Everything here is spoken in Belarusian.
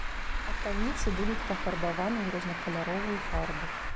Аканіцы будуць пафарбаваны ў рознакаляровую фарбу.